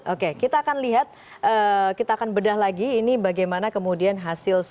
oke kita akan lihat kita akan bedah lagi ini bagaimana kemudian hasil survei